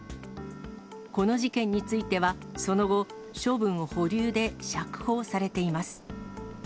この事件については、その後、処分保留で釈放されています。